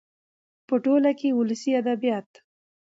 .په ټوله کې ولسي ادبيات